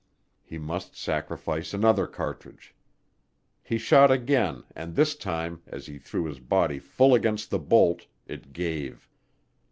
He must sacrifice another cartridge. He shot again and this time, as he threw his body full against the bolt, it gave.